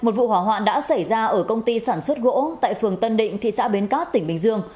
một vụ hỏa hoạn đã xảy ra ở công ty sản xuất gỗ tại phường tân định thị xã bến cát tỉnh bình dương